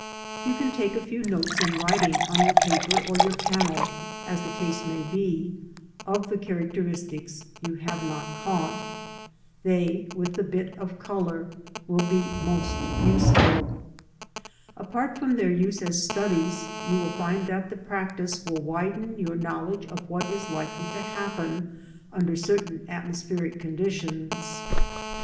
You can take a few notes in writing on your paper or your panel, as the case may be, of the character istics you have not caught. They, with the bit of colour, will be most useful. Apart from their use as studies, you will find that the practice will widen your knowledge of what is likely to happen under certain atmospheric conditions.